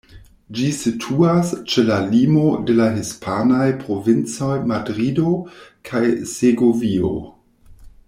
Ĝi situas ĉe la limo de la hispanaj provincoj Madrido kaj Segovio.